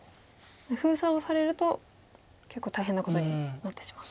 封鎖をされると結構大変なことになってしまうと。